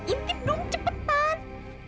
intip dong cepetan